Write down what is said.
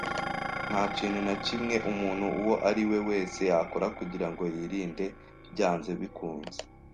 Ntakintu nakimwe umuntu uwo ari we wese yakora kugirango yirinde byanze bikunze.